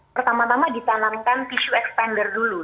pertama tama ditanamkan tisu expander dulu